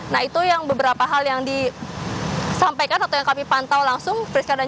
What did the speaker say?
nah itu yang beberapa hal yang disampaikan atau yang kami pantau langsung friska